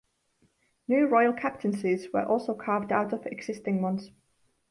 New royal captaincies were also carved out of existing ones.